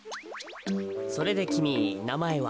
それできみなまえは？